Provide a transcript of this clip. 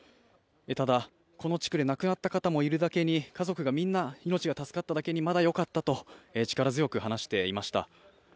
ただ、この地区で亡くなった方もいるだけに、家族がみんな命が助かっただけまだよかったと力強く話していました。